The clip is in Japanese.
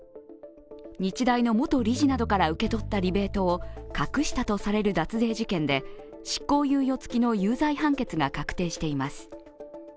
日大の元理事などから受け取ったリベートを隠したとされる脱税事件で執行猶予つきの有罪判決が確定しています。